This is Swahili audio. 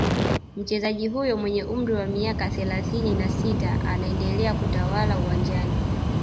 Mchezaji huyo mwenye umri wa miaka thelathini na sita anaendelea kutawala uwanjani